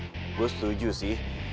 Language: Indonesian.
ya gua setuju sih